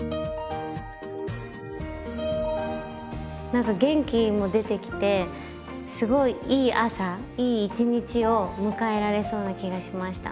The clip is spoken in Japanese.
何か元気も出てきてすごいいい朝いい一日を迎えられそうな気がしました。